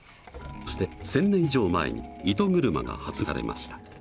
そして１，０００年以上前に糸車が発明されました。